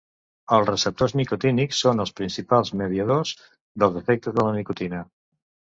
Els receptors nicotínics són els principals mediadors dels efectes de la nicotina.